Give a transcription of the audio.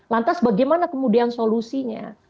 lantas bagaimana kemudian solusinya